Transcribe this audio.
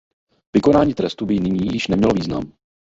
Vykonání trestu by nyní již nemělo význam.